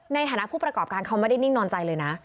ในฐานะผู้ประกอบการเขาไม่ได้นิ่งนอนใจเลยนะ